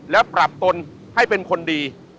แล้วปรับตนให้เป็นคนดี